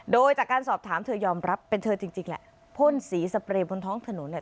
โดยจากการสอบถามเธอยอมรับเป็นเธอจริงจริงแหละพ่นสีสเปรย์บนท้องถนนเนี่ย